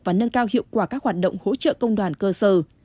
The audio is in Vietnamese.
và nâng cao hiệu quả các hoạt động hỗ trợ công đoàn cơ sở